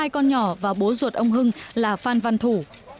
hai con nhỏ và bố ruột ông hưng là phan văn thủ